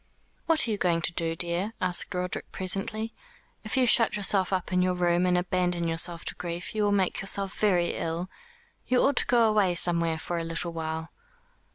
"What are you going to do, dear?" asked Roderick presently. "If you shut yourself up in your room and abandon yourself to grief, you will make yourself very ill. You ought to go away somewhere for a little while."